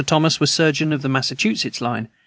Thomas was surgeon of the Massachusetts line.